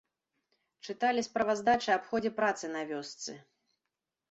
Чыталі справаздачы аб ходзе працы на вёсцы.